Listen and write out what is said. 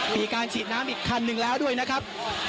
มีการฉีดน้ำอีกคันหนึ่งแล้วด้วยนะครับ